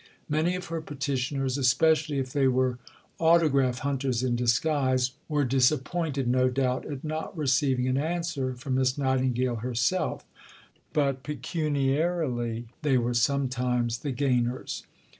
Many of her petitioners, especially if they were autograph hunters in disguise, were disappointed, no doubt, at not receiving an answer from Miss Nightingale herself, but pecuniarily they were sometimes the gainers.